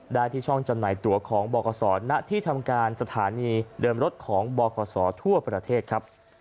ได้ที่ช่องจำหน่ายตัวของบขณที่ทำการสถานีเดินรถของบขทั่วประเทศครับ